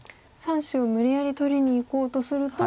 ３子を無理やり取りにいこうとすると。